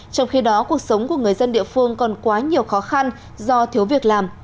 trong khi đó cuộc sống của người dân địa phương còn quá nhiều khó khăn do thiếu việc làm